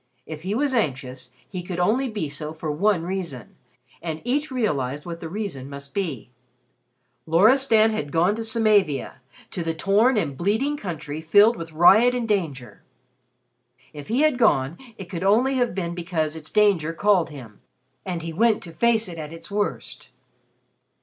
If he was anxious, he could only be so for one reason, and each realized what the reason must be. Loristan had gone to Samavia to the torn and bleeding country filled with riot and danger. If he had gone, it could only have been because its danger called him and he went to face it at its worst.